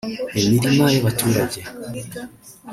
imirima y’abaturage